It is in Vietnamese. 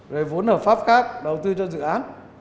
về vốn hợp pháp khác đầu tư cho dự án